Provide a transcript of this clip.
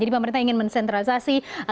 jadi pemerintah ingin mensentralisasi hukumnya